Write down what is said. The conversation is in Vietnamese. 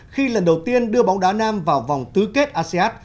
khi lần đầu tiên đưa bóng đá nam vào vòng tứ kết asean